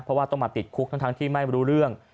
เพราะว่าต้องมาติดคุกทั้งที่ไม่รู้เรื่อง